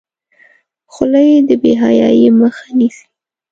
خولۍ د بې حیايۍ مخه نیسي.